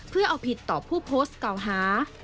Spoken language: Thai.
เพื่อเอาผิดต่อผู้โพสต์เก่าหา